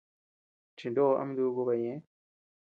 Chinoo ama duku baʼa ñeʼë.